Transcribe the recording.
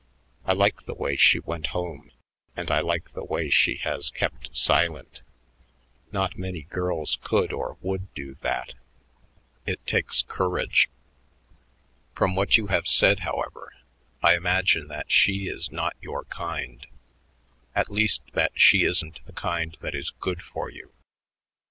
I like the way she went home, and I like the way she has kept silent. Not many girls could or would do that. It takes courage. From what you have said, however, I imagine that she is not your kind; at least, that she isn't the kind that is good for you.